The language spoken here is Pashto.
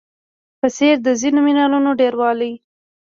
په څېر د ځینو منرالونو ډیروالی